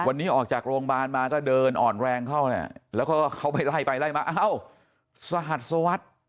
วันนี้ออกจากโรงพยาบาลมาก็เดินอ่อนแรงเข้าเนี่ยแล้วก็เขาไปไล่ไปไล่มาเอ้าสหัสสวัสดิ์